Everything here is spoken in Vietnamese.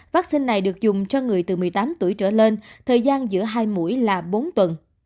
vaccine này được dùng cho người từ một mươi tám tuổi trở lên thời gian giữa hai mũi là bốn tuần